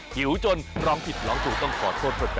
เอาล่ะเดินทางมาถึงในช่วงไฮไลท์ของตลอดกินในวันนี้แล้วนะครับ